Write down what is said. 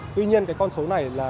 tuy nhiên con số này